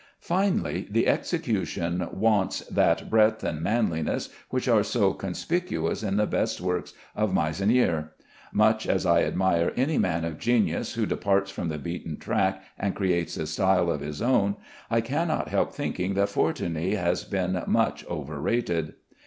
Finally, the execution wants that breadth and manliness which are so conspicuous in the best works of Meissonier. Much as I admire any man of genius who departs from the beaten track and creates a style of his own, I cannot help thinking that Fortuny has been much over rated.